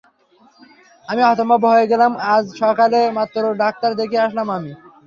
আমি হতভম্ব হয়ে গেলাম, আজই সকালে মাত্র ডাক্তার দেখিয়ে আসলাম আমরা।